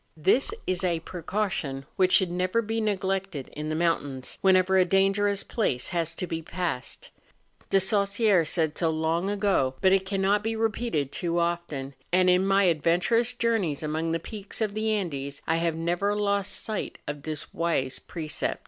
This is a precaution which should never be neglected in the mountains, whenever a dangerous place has to be passed. I)e Saussure said so long ago, but it cannot be repeated too often ; and in my adven¬ turous journeys among the peaks of the Andes I have never lost sight of this wise precept.